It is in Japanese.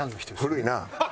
古いな！